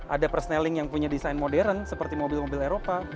ada perseneling yang punya desain modern seperti mobil mobil eropa